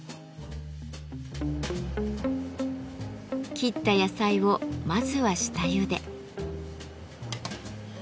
切った野菜をまずは下ゆで。